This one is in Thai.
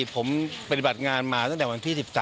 ผมปฏิบัติงานมาตั้งแต่วันที่๑๓